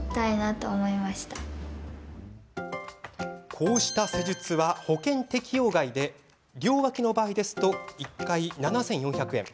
こうした施術は保険適用外で両脇の場合、１回７４００円。